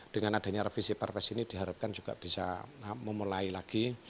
dengan adanya revisi perpres ini diharapkan juga bisa memulai lagi